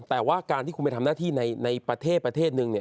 แต่ว่าการที่คุณไปทำหน้าที่ในประเทศประเทศนึง